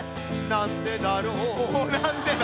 なんでだろう